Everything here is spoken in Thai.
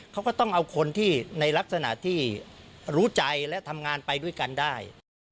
เขาก็ต้องเอาคนที่ในลักษณะที่รู้ใจและทำงานไปด้วยกันได้